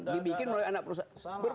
dibikin oleh anak perusahaan